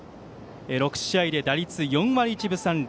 ６試合で打率４割１分３厘。